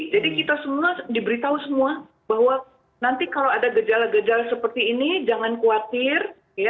kita semua diberitahu semua bahwa nanti kalau ada gejala gejala seperti ini jangan khawatir